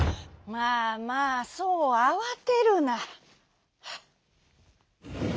「まあまあそうあわてるな」。